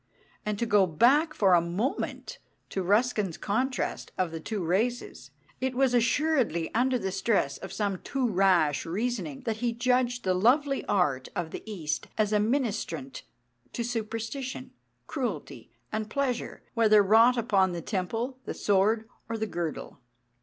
And to go back for a moment to Ruskin's contrast of the two races, it was assuredly under the stress of some too rash reasoning that he judged the lovely art of the East as a ministrant to superstition, cruelty, and pleasure, whether wrought upon the temple, the sword, or the girdle.